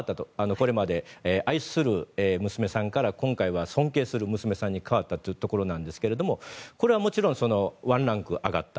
これまで愛する娘さんから今回は、尊敬する娘さんに変わったというところですがこれはもちろんワンランク上がった。